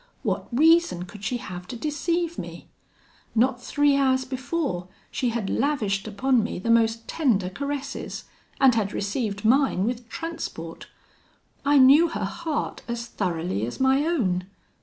What reason could she have to deceive me? Not three hours before, she had lavished upon me the most tender caresses, and had received mine with transport: I knew her heart as thoroughly as my own.